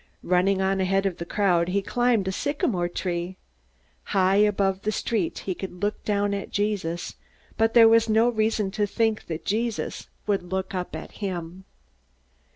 Running on ahead of the crowd, he climbed a sycamore tree. High above the street, he could look down at Jesus, but there was no reason to think that Jesus would look up at him.